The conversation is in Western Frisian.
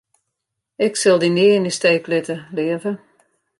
Ik sil dy nea yn 'e steek litte, leave.